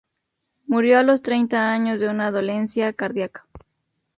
Murió a los treinta años de una dolencia cardíaca.